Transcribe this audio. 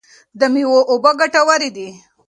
د مېوو اوبه ګټورې دي.